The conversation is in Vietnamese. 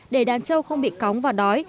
để đàn trâu không bị cóng và đói